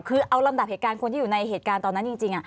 คือเอาลำดับเหตุการณ์คนที่อยู่ในเหตุการณ์ตอนนั้นจริง